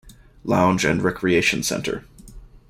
Lounge and recreation centre.